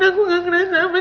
aku gak kena aman